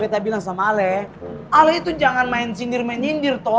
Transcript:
beta bilang sama ale ale itu jangan main sindir main sindir toh